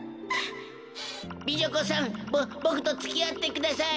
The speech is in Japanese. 美女子さんボボクとつきあってください！